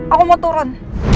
aku mau turun